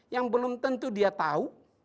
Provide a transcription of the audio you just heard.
yang belum tentu dia tahu